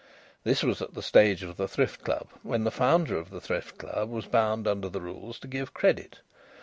This was at the stage of the Thrift Club when the founder of the Thrift Club was bound under the rules to give credit.